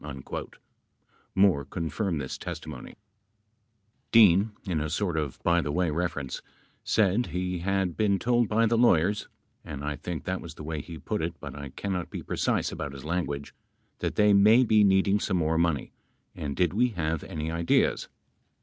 11 Moore confirmed this testimony : Dean, in a sort of by the way reference, said he had been told by the lawyers — and I think that was the way he put it, but I cannot be precise about his language — that they may be needing some more money, and did we have any ideas